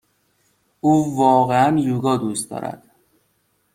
او واقعا یوگا دوست دارد.